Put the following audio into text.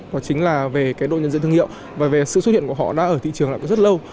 và chính là về đội nhân dân thương hiệu và về sự xuất hiện của họ đã ở thị trường lại rất lâu